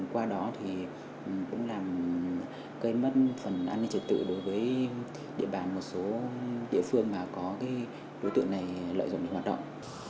qua đó thì cũng làm gây mất phần an ninh trật tự đối với địa bàn một số địa phương mà có đối tượng này lợi dụng để hoạt động